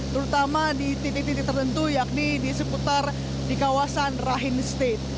terutama di titik titik tertentu yakni di seputar di kawasan rahim state